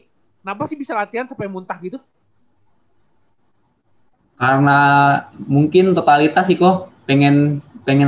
kenapa sih bisa latihan sampai muntah gitu karena mungkin totalitas sih kok pengen pengen